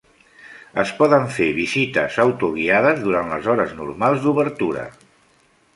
Es poden fer visites autoguiades durant les hores normals d'obertura.